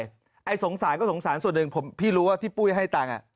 สงสารก็สงสารส่วนหนึ่งพี่รู้ว่าที่ปุ้ยให้ตังค์